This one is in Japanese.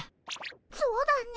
そうだね。